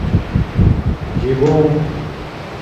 جیبݸنݣ